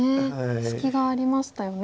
隙がありましたよね